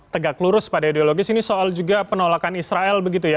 tegak lurus pada ideologis ini soal juga penolakan israel begitu ya